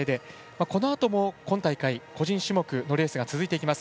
このあとも今大会個人種目のレースが続いていきます。